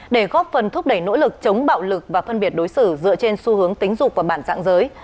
để góp phần thúc đẩy nỗ lực chống bạo lực và phân biệt đối xử dựa trên xu hướng tính dục và bản dạng giới